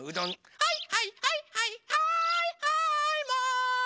「はいはいはいはいはいはいマン」